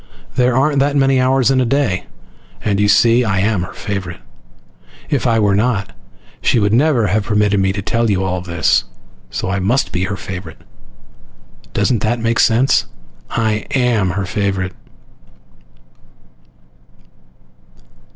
There aren't that many hours in a day! And, you see, I am her favorite. If I were not, she would never have permitted me to tell you all this, so I must be her favorite! Doesn't that make sense? I AM her favorite!